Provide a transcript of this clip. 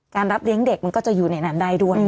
รับเลี้ยงเด็กมันก็จะอยู่ในนั้นได้ด้วย